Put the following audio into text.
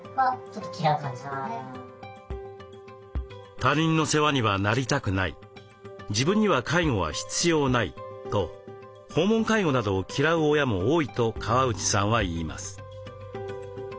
「他人の世話にはなりたくない」「自分には介護は必要ない」と訪問介護などを嫌う親も多いと川内さんは言います。